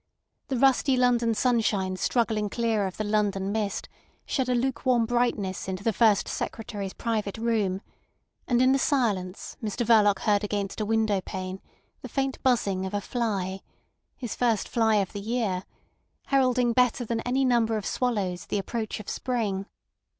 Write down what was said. The rusty London sunshine struggling clear of the London mist shed a lukewarm brightness into the First Secretary's private room; and in the silence Mr Verloc heard against a window pane the faint buzzing of a fly—his first fly of the year—heralding better than any number of swallows the approach of spring.